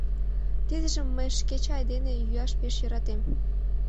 Тидыжым мый шке чай дене йӱаш пеш йӧратем.